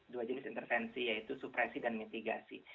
dua jenis intervensi yaitu supresi dan mitigasi